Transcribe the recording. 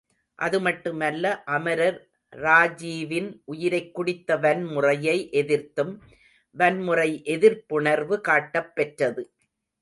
அது மட்டுமல்ல, அமரர் ராஜீவின் உயிரைக் குடித்த வன்முறையை எதிர்த்தும் வன்முறை எதிர்ப்புணர்வு காட்டப்பெற்றது.